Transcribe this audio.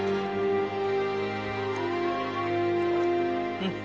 うん！